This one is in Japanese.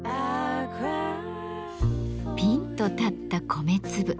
ぴんと立った米粒。